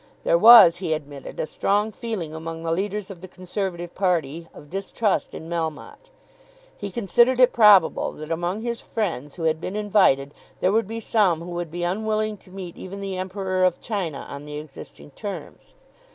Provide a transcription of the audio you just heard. There was, he admitted, a strong feeling among the leaders of the Conservative party of distrust in Melmotte. He considered it probable that among his friends who had been invited there would be some who would be unwilling to meet even the Emperor of China on the existing terms.